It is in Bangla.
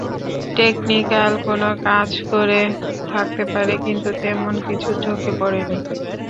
টেকনিক্যাল কোনো কাজ করে থাকতে পারে, কিন্তু তেমন কিছু চোখে পড়েনি।